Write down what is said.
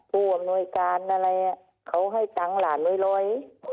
ผู้อำนวยการอะไรเขาให้ตังล่านไม่เลย